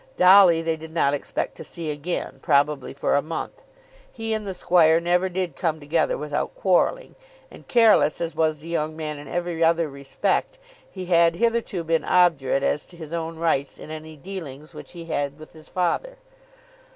Dolly they did not expect to see again, probably for a month. He and the squire never did come together without quarrelling, and careless as was the young man in every other respect, he had hitherto been obdurate as to his own rights in any dealings which he had with his father.